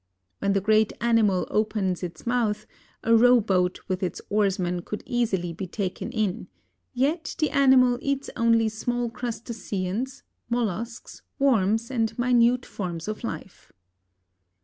When the great animal opens its mouth, a row boat with its oarsmen could easily be taken in, yet the animal eats only small crustaceans, mollusks, worms and minute forms of life.